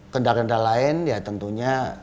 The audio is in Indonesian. kenda kendala lain ya tentunya